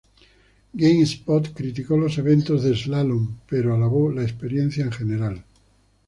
GameSpot criticó los eventos de slalom, pero alabó la experiencia en general.